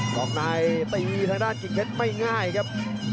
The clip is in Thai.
กล่องนายตีทางด้านกิ้งเท็จไม่ง่ายครับ